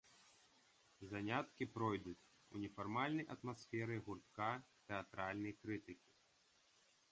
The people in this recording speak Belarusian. Заняткі пройдуць у нефармальнай атмасферы гуртка тэатральнай крытыкі.